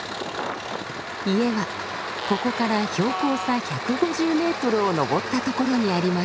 家はここから標高差１５０ｍを登ったところにあります。